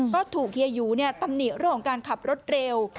ก็ถูกเฮียหยูตำหนิเรื่องของการขับรถเร็ว